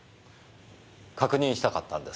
確認したかったんですよ。